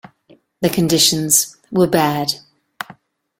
The conditions were bad.